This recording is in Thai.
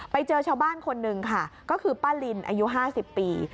ไปเจอชาวบ้านคนหนึ่งค่ะก็คือป้าลินอายุ๕๐ปี